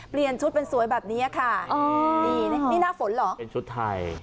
เปลี่ยนชุดเป็นสวยแบบนี้ค่ะนี่นี่หน้าฝนเหรอเป็นชุดไทย